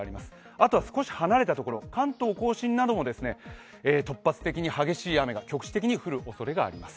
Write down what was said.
あとは少し離れたところ、関東甲信なども突発的に激しい雨が局地的に降るおそれがあります。